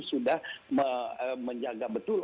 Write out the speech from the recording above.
sudah menjaga betul